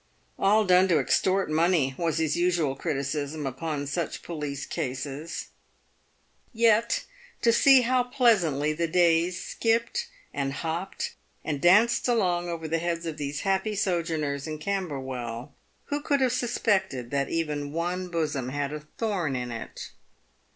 " All done to extort money," was his usual criticism upon such police cases. Yet to see how pleasantly the days skipped, and hopped, and danced PAYED WITH GOLD. 323 along over the heads of these happy sojourners in Camberwell, who could have suspected that even one bosom had a thorn in it